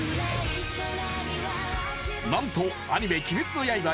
何とアニメ「鬼滅の刃」